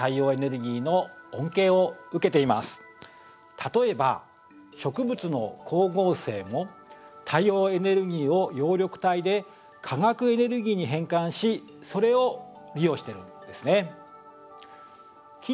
例えば植物の光合成も太陽エネルギーを葉緑体で化学エネルギーに変換しそれを利用しているんですね。